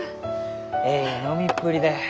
えい飲みっぷりで。